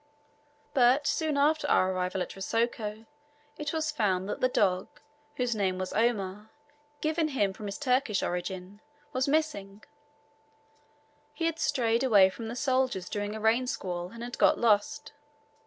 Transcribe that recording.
But soon after our arrival at Rosako it was found that the dog, whose name was "Omar," given him from his Turkish origin, was missing; he had strayed away from the soldiers during a rain squall and had got lost.